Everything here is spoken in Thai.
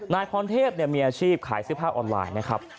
นายพรเทพมีอาชีพขายเสื้อผ้าออนไลน์นะครับ